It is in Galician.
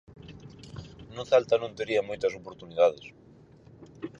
No Celta non tería moitas oportunidades.